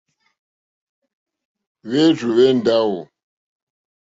Hwérzù hwé ndáwò.